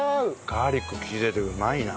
ガーリック利いててうまいな。